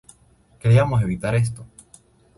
Queríamos evitar esto.